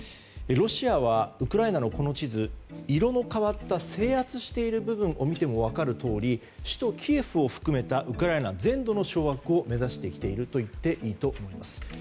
ロシアはウクライナのこの地図色の変わった制圧している部分を見ても分かるとおり首都キエフを含めたウクライナ全土の掌握を目指してきているといっていいと思います。